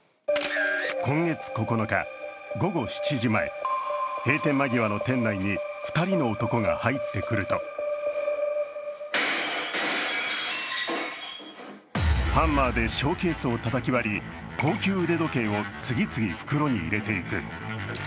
今月９日、午後７時前、閉店間際の店内に２人の男が入ってくるとハンマーでショーケースをたたき割り、高級腕時計を次々、袋に入れていく。